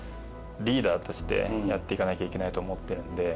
リーダーとしてやっていかないといけないと思っているので。